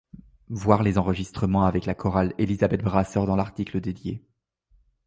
Voir les enregistrements avec la chorale Élisabeth Brasseur dans l'article dédié.